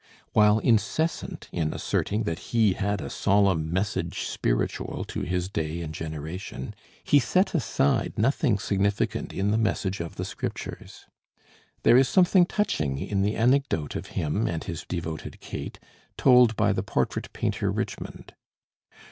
While incessant in asserting that he had a solemn message spiritual to his day and generation, he set aside nothing significant in the message of the Scriptures. There is something touching in the anecdote of him and his devoted Kate told by the portrait painter Richmond.